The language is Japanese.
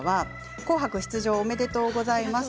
紅白出場、おめでとうございます。